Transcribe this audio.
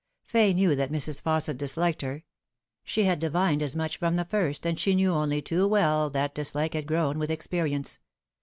Fay knew that Mrs. Fausset disliked her. She had divined as much from the first, and she knew only too well that dislike had grown with experience.